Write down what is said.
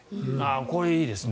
これ、いいですね。